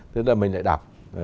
thế là mình lại đọc